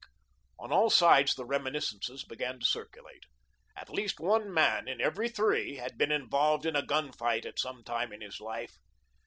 On all sides the reminiscences began to circulate. At least one man in every three had been involved in a gun fight at some time of his life.